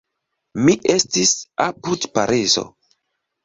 Mi estis apud Parizo.